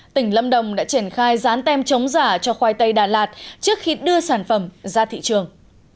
tỉnh lâm đồng đã triển khai rán tem chống giả cho khoai tây đà lạt trước khi đưa sản phẩm ra thị trường